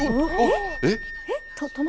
えっ？